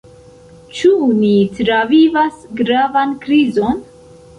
Ĉu ni travivas gravan krizon?